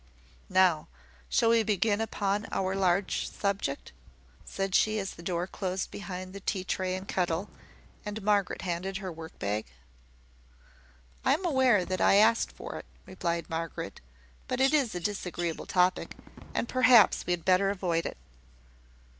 "Now; shall we begin upon our large subject?" said she, as the door closed behind the tea tray and kettle, and Margaret handed her her work bag. "I am aware that I asked for it," replied Margaret; "but it is a disagreeable topic, and perhaps we had better avoid it."